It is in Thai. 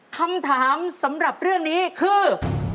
คำถามสำหรับเรื่องนี้คือ